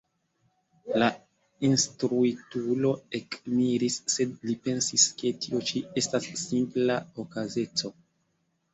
La instruitulo ekmiris, sed li pensis, ke tio ĉi estas simpla okazeco.